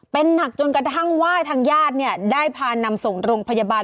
เป็นหนักจนกระทั่งว่าทางญาติเนี่ยได้พานำส่งโรงพยาบาล